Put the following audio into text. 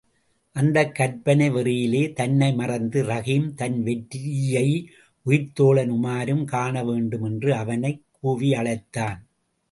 அந்தக் கற்பனை வெறியிலே தன்னை மறந்து ரஹீம் தன் வெற்றியை உயிர்த்தோழன் உமாரும் காணவேண்டும் என்று அவனைக் கூவியழைத்தான்.